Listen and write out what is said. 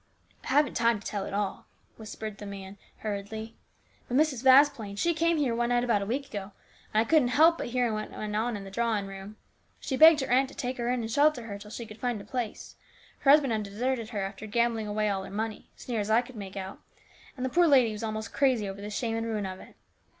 " I haven't time to tell it all," whispered the man 298 HIS BROTHER'S KEEPER. hurriedly. " But Mrs. Vasplaine, she came here one night about a week ago, and I couldn't help hearing what went on in the drawing room. She begged her aunt to take her in and shelter her till she could find a place. Her husband had deserted her after gambling away all her money, as near as I could make out, and the poor lady was almost crazy over the shame and ruin of it.